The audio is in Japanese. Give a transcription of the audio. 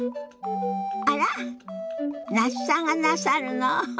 あら那須さんがなさるの？